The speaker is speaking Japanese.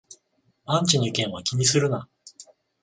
アンチの意見は気にするな